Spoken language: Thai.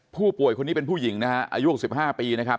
ผู้ป่วยคนนี้เป็นผู้หญิงนะฮะอายุ๖๕ปีนะครับ